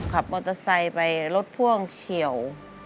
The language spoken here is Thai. ขับมอเตอร์ไซค์ไปรถพ่วงเฉียว